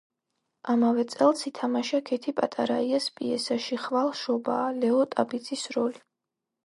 ამავე წელს ითამაშა ქეთი პატარაიას პიესაში „ხვალ შობაა“, ლეო ტაბიძის როლი.